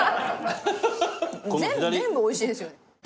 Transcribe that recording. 全部全部おいしいですよ。